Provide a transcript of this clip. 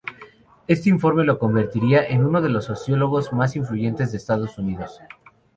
Este informe lo convertiría en uno de los sociólogos más influyentes de Estados Unidos.